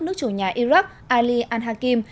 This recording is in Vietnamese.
nước chủ nhà iraq ali al hakim